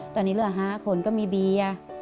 ตอนนี้เรือหาขนก็มีเบียร์